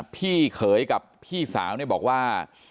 พี่เขยกับพี่สาวบอกว่า